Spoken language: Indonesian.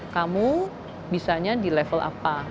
kamu bisanya di level apa